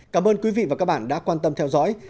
cảm ơn quý vị và các bạn đã quan tâm theo dõi